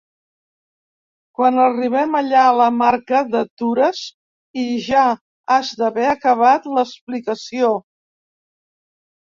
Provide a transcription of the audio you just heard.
Quan arribem allà a la marca d'atures i ja has d'haver acabat l'explicació.